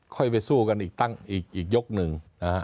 ค่อยไปสู้กันอีกตั้งอีกยกหนึ่งนะฮะ